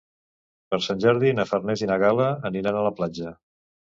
Per Sant Jordi na Farners i na Gal·la aniran a la platja.